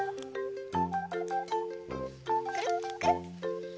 くるっくるっ。